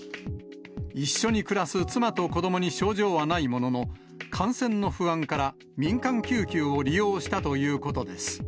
一緒に暮らす妻と子どもに症状はないものの、感染の不安から、民間救急を利用したということです。